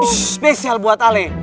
shh spesial buat ale